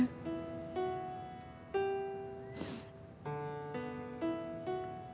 sebelum akhir hayatnya